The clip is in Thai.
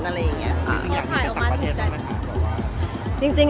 ไม่เคยไปด้วยกันด้วย